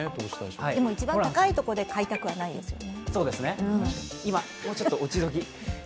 でも一番高いところで買いたくはないですよね。